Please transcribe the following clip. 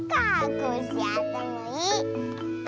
コッシーあったまいい！